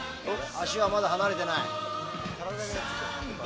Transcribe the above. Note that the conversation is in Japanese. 足はまだ離れてない。